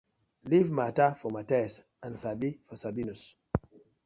Leave mata for Mathias and Sabi for Sabinus: